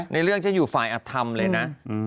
ในเรื่องฉันอยู่ฝ่ายอธรรมเลยนะ